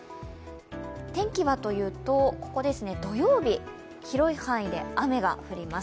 天気はというと、土曜日、広い範囲で雨が降ります。